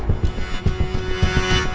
saya mau ke rumah